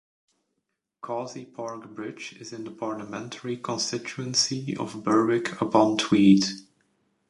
Causey Park Bridge is in the parliamentary constituency of Berwick-upon-Tweed.